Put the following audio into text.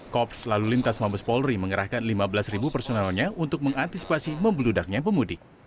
kops lalu lintas mabes polri mengerahkan lima belas ribu personalnya untuk mengantisipasi membludaknya pemudik